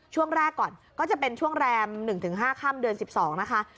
ช่วงแรกก่อนก็จะเป็นช่วงแรม๑๕ค่ำเดือน๑๒นะคะ